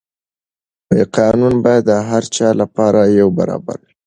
قانون باید د هر چا لپاره یو برابر وي.